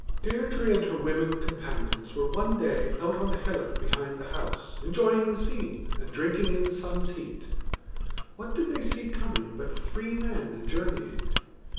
Deirdre and her women companions were one day out on the hillock behind the house enjoying the scene, and drinking in the sun's heat. What did they see coming but three men a journeying.